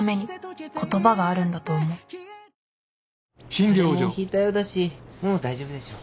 腫れもひいたようだしもう大丈夫でしょう。